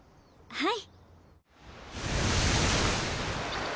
はい。